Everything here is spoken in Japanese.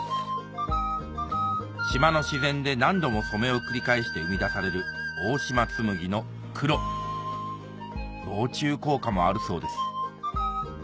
島の自然で何度も染めを繰り返して生み出される大島紬の黒防虫効果もあるそうです